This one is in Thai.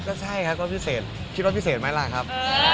ก็ใช่ครับก็พิเศษคิดว่าพิเศษไหมล่ะครับ